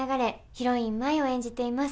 ヒロイン舞を演じています。